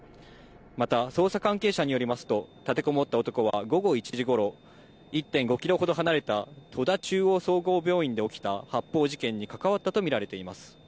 また捜査関係者によりますと、立てこもった男は午後１時ごろ、１．５キロほど離れた戸田中央総合病院で起きた発砲事件に関わったと見られています。